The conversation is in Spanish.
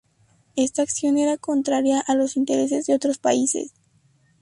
Esta acción era contraria a los intereses de otros países.